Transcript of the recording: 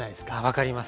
分かります。